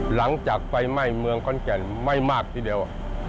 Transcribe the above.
หลังจากไฟไหม้เมืองขอนแก่นไม่มากทีเดียว